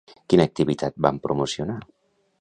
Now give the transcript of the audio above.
Quina activitat van promocionar?